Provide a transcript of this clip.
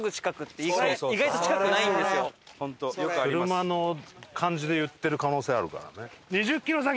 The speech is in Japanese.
車の感じで言ってる可能性あるからね。